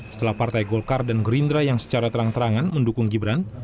setelah partai golkar dan gerindra yang secara terang terangan mendukung gibran